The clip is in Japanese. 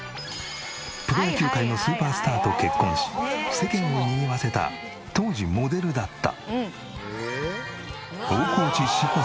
プロ野球界のスーパースターと結婚し世間をにぎわせた当時モデルだった。